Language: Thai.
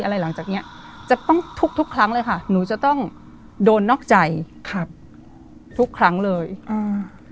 หลังจากเนี้ยจะต้องทุกทุกครั้งเลยค่ะหนูจะต้องโดนนอกใจครับทุกครั้งเลยอ่า